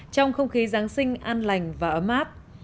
trong không khí giáng sinh an lành và ấm áp